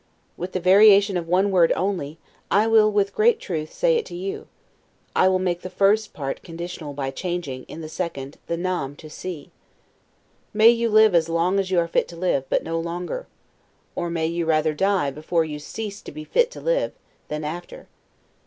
With the variation of one word only, I will with great truth say it to you. I will make the first part conditional by changing, in the second, the 'nam' into 'si'. May you live as long as you are fit to live, but no longer! or may you rather die before you cease to be fit to live, than after!